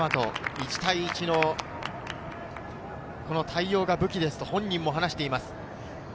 １対１の対応が武器ですと本人も話しています。